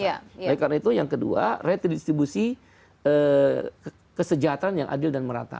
oleh karena itu yang kedua retridistribusi kesejahteraan yang adil dan merata